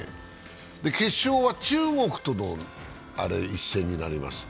決勝は中国との一戦になります。